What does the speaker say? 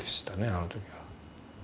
あの時は。